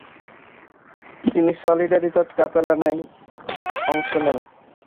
তিনি সলিডারিতাত কাতালানায় অংশ নেন।